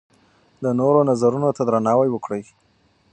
د نورو نظرونو ته درناوی وکړئ.